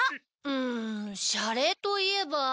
うんシャレといえば。